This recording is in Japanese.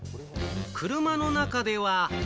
車の中では。